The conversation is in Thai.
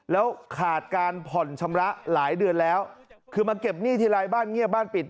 แล้วขาดการผ่อนชำระหลายเดือนแล้วคือมาเก็บหนี้ทีไรบ้านเงียบบ้านปิด